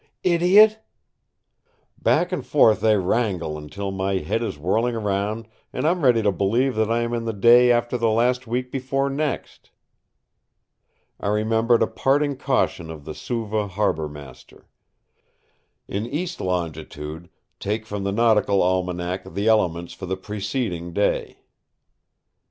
"Idiot!" Back and forth they wrangle until my head is whirling around and I am ready to believe that I am in the day after the last week before next. I remembered a parting caution of the Suva harbour master: "In east longitude take from the Nautical Almanac the elements for the preceding day."